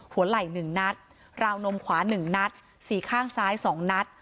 หัวไหล่๑นัดราวนมขวา๑นัดสี่ข้างซ้าย๒นัด